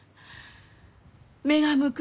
目が向くき